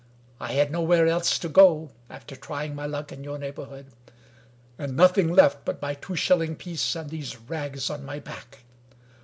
I had nowhere else to go, after trying my luck in your neighborhood; and nothing left but my two shilling piece and these rags on my back.